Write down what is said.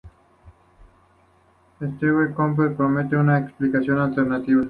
Stewart Campbell propone una explicación alternativa.